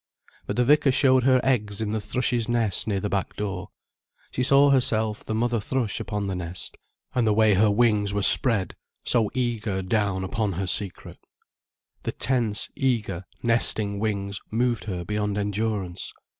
But the vicar showed her eggs in the thrush's nest near the back door. She saw herself the mother thrush upon the nest, and the way her wings were spread, so eager down upon her secret. The tense, eager, nesting wings moved her beyond endurance.